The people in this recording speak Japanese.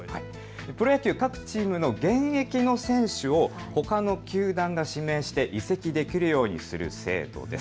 プロ野球、各チームの現役の選手をほかの球団が指名して移籍できるようにする制度です。